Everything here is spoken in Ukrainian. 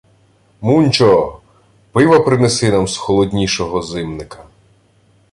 — Мунчо! Пива принеси нам з холоднішого зимника!